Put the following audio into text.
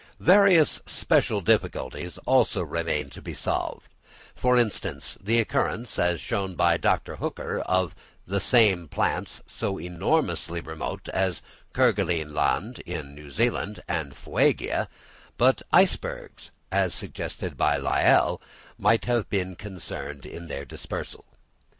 Various special difficulties also remain to be solved; for instance, the occurrence, as shown by Dr. Hooker, of the same plants at points so enormously remote as Kerguelen Land, New Zealand, and Fuegia; but icebergs, as suggested by Lyell, may have been concerned in their dispersal.